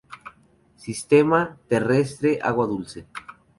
Sistema: terrestre; agua dulce.